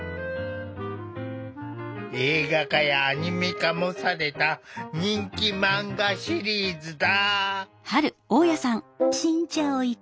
映画化やアニメ化もされた人気マンガシリーズだ。